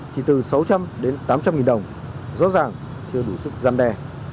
chỉ từ sáu trăm linh đến tám trăm linh nghìn đồng rõ ràng chưa đủ sức gian đe